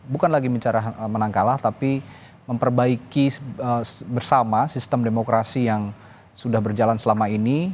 bukan lagi menang kalah tapi memperbaiki bersama sistem demokrasi yang sudah berjalan selama ini